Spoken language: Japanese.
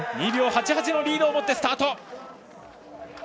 ２秒８８のリードを持ってスタート。